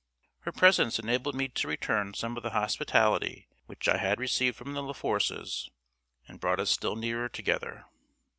Her presence enabled me to return some of the hospitality which I had received from the La Forces, and brought us still nearer together.